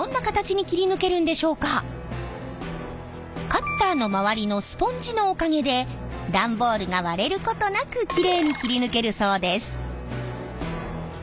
カッターの周りのスポンジのおかげで段ボールが割れることなくきれいに切り抜けるそうです。